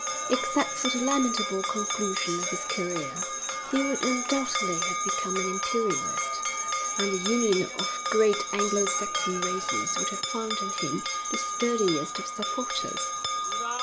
Except for the lamentable conclusion of his career, he would undoubtedly have become an Imperialist, and the Union of the Great Anglo Saxon Races would have found in him the sturdiest of supporters!